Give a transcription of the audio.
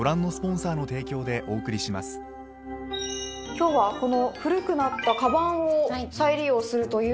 今日は古くなったかばんを再利用するということで。